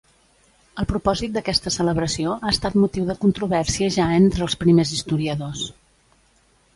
El propòsit d'aquesta celebració ha estat motiu de controvèrsia ja entre els primers historiadors.